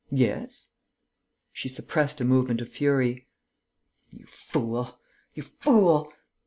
"Yes." She suppressed a movement of fury: "You fool! You fool!...